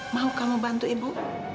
mau kamu bantu ibu